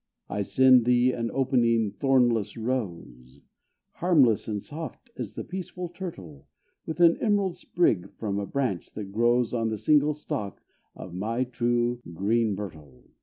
I send thee an opening, thornless rose, Harmless and soft as the peaceful turtle; With an emerald sprig from a branch that grows On the single stalk of my true green myrtle.